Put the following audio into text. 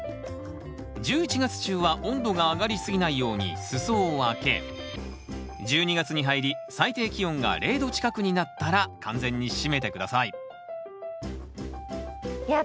１１月中は温度が上がりすぎないように裾を開け１２月に入り最低気温が０℃近くになったら完全に閉めて下さいいや